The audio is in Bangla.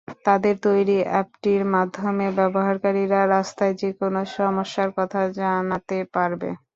তাঁদের তৈরি অ্যাপটির মাধ্যমে ব্যবহারকারীরা রাস্তার যেকোনো সমস্যার কথা জানাতে পারবে।